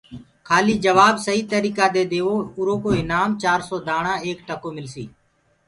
کيآليٚ جبآب سهيٚ تريٚڪآ دي دئيو ايٚرو ايٚنآم چآرسو دآڻآ ايڪ ٽڪو ملسيٚ